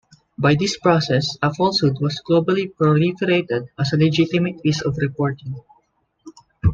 By this process a falsehood was globally proliferated as a legitimate piece of reporting.